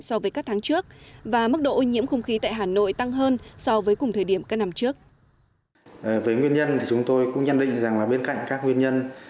so với các tháng trước và mức độ ô nhiễm không khí tại hà nội tăng hơn